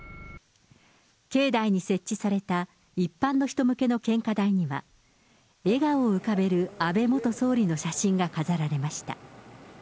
境内に設置された一般の人向けの献花台には、笑顔を浮かべる安倍元総理の写真が飾られました。